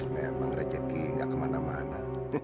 memang rezeki gak kemana mana